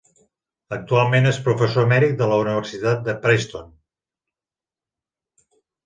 Actualment és professor emèrit de la Universitat de Princeton.